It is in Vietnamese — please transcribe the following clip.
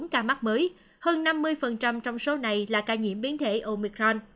một trăm hai mươi bốn ca mắc mới hơn năm mươi trong số này là ca nhiễm biến thể omicron